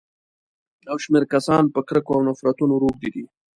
يو شمېر کسان په کرکو او نفرتونو روږدي دي.